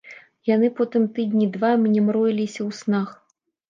Яны потым тыдні два мне мроіліся ў снах.